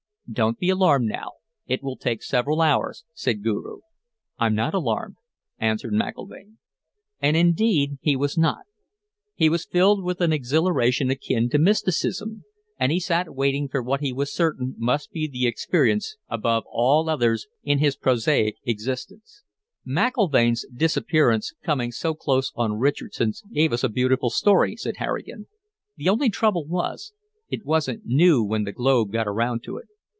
"Don't be alarmed now. It will take several hours," said Guru. "I'm not alarmed," answered McIlvaine. And indeed he was not; he was filled with an exhilaration akin to mysticism, and he sat waiting for what he was certain must be the experience above all others in his prosaic existence. "McIlvaine's disappearance coming so close on Richardson's gave us a beautiful story," said Harrigan. "The only trouble was, it wasn't new when the Globe got around to it.